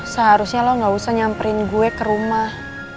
seharusnya lo gak usah nyamperin gue ke rumah